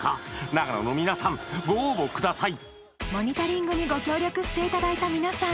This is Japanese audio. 長野の皆さんご応募ください！